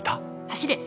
走れ。